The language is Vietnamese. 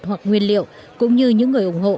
hoặc nguyên liệu cũng như những người ủng hộ